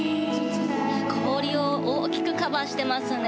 氷を大きくカバーしてますね。